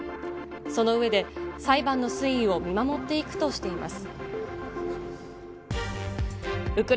その上で、裁判の推移を見守っていくとしています。